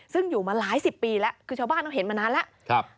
ซึ่งอยู่มาหลายสิบปีแล้วคือชาวบ้านต้องเห็นมานานแล้ว